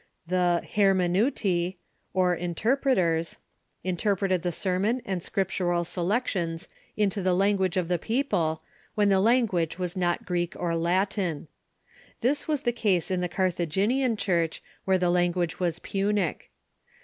The hermeneutce, or interpreters, interpreted the sermon and Scriptural selections into the language of the people, when the language was not Greek or Latin. This was the case in the Carthaginian Church, where the language was Punic.